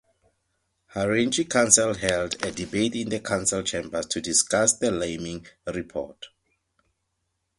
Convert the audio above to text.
Haringey council held a debate in the council chambers to discuss the Laming report.